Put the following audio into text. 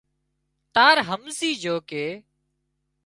تار همزي جھو ڪي